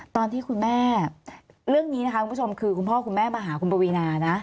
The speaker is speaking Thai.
ตอนที่คุณแม่เรื่องนี้นะคะคุณผู้ชมคือคุณพ่อคุณแม่มาหาคุณปวีนานะ